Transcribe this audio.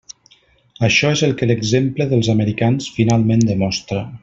Això és el que l'exemple dels americans finalment demostra.